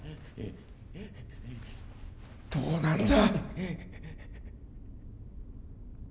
どうなんだ？